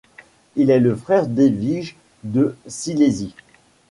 Il est le frère d'Edwige de Silésie.